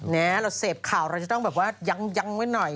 แน่เราเสพข่าวเราจะต้องยังไว้หน่อย